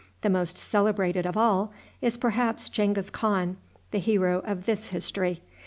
The most celebrated of all is perhaps Genghis Khan, the hero of this history.